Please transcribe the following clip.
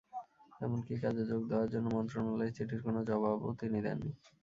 এমনকি কাজে যোগ দেওয়ার জন্য মন্ত্রণালয়ের চিঠির কোনো জবাবও তিনি দেননি।